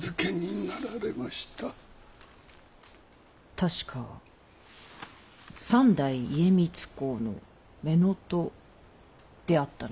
確か三代家光公の乳母であったな。